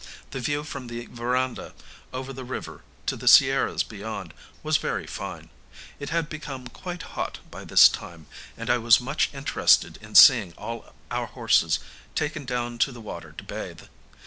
The view from the verandah, over the river, to the Sierras beyond, was very fine. It had become quite hot by this time, and I was much interested in seeing all our horses taken down to the water to bathe.